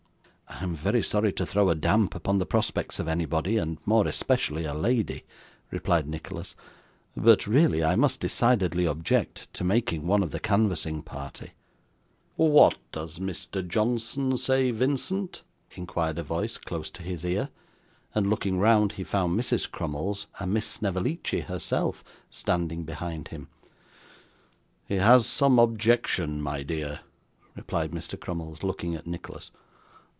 'I am very sorry to throw a damp upon the prospects of anybody, and more especially a lady,' replied Nicholas; 'but really I must decidedly object to making one of the canvassing party.' 'What does Mr. Johnson say, Vincent?' inquired a voice close to his ear; and, looking round, he found Mrs. Crummles and Miss Snevellicci herself standing behind him. 'He has some objection, my dear,' replied Mr. Crummles, looking at Nicholas.